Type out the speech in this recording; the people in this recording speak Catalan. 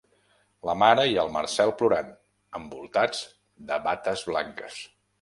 La mare i el Marcel plorant, envoltats de bates blanques.